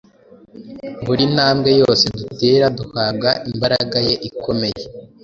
Buri ntambwe yose dutera, duhabwa imbaraga ye ikomeye.